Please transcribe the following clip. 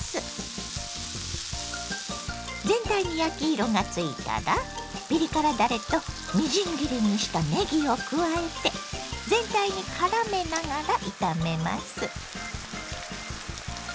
全体に焼き色がついたらピリ辛だれとみじん切りにしたねぎを加えて全体にからめながら炒めます。